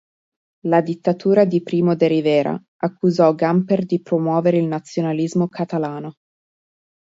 La dittatura di Primo de Rivera accusò Gamper di promuovere il nazionalismo catalano.